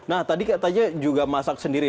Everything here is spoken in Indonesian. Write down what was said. nah tadi katanya juga masak sendiri